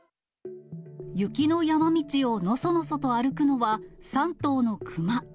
雪の山道をのそのそと歩くのは、３頭の熊。